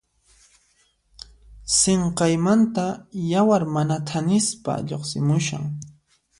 Sinqaymanta yawar mana thanispa lluqsimushan.